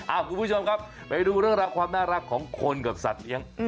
คุณผู้ชมครับไปดูเรื่องราวความน่ารักของคนกับสัตว์เลี้ยง